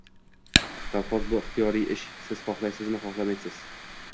Kolxoz - bu ixtiyoriy ish, siz xohlaysizmi, xohlamaysiz